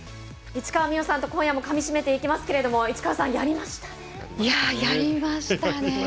市川美余さんと今夜もかみしめていきますけれども市川さん、やりましたね。